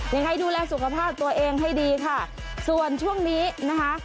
ยังไงดูแลสุขภาพตัวเองให้ดีค่ะส่วนช่วงนี้นะคะ